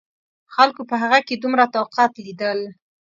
خلکو په هغه کې دومره طاقت لیدل.